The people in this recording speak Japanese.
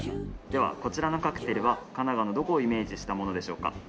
ではこちらのカクテルは神奈川のどこをイメージしたものでしょうか？